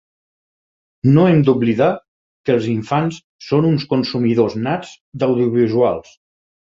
No hem d'oblidar que els infants són uns consumidors nats d'audiovisuals.